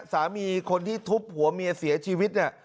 คนที่ทุบหัวเมียเสียชีวิตเนี่ย